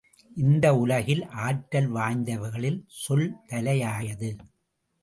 இந்த உலகில் ஆற்றல் வாய்ந்தவைகளில் சொல் தலையாயது.